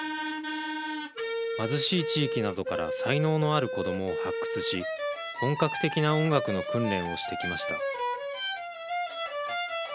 貧しい地域などから才能のある子どもを発掘し本格的な音楽の訓練をしてきました。